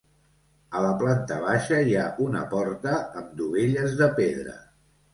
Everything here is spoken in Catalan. A la planta baixa hi ha una porta amb dovelles de pedra.